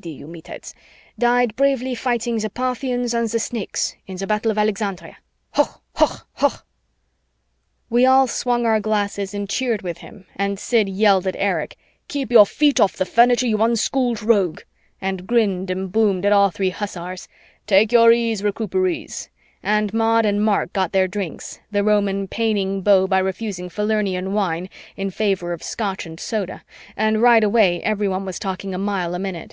D., you meatheads!) died bravely fighting the Parthians and the Snakes in the Battle of Alexandria. Hoch, hoch, hoch!" We all swung our glasses and cheered with him and Sid yelled at Erich, "Keep your feet off the furniture, you unschooled rogue," and grinned and boomed at all three hussars, "Take your ease, Recuperees," and Maud and Mark got their drinks, the Roman paining Beau by refusing Falernian wine in favor of scotch and soda, and right away everyone was talking a mile a minute.